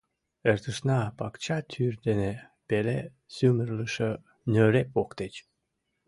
Эртышна пакча тӱр дене, пеле сӱмырлышӧ нӧреп воктеч.